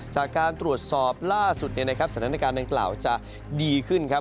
จากการตรวจสอบล่าสุดสัตย์บันดาลกาศนางกร่าวจะดีขึ้นครับ